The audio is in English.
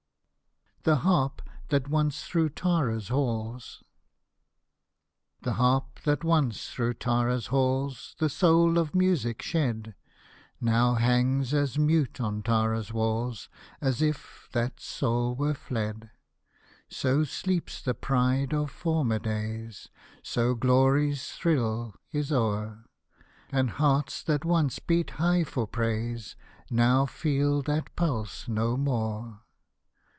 THE HARP THAT ONCE THROUGH TARA'S HALLS The harp that once through Tara's halls The soul of music shed, Now hangs as mute on Tara's walls As if that soul were fled. So sleeps the pride of former days. So glory's thrill is o'er. And hearts, that once beat high for praise. Now feel that pulse no more.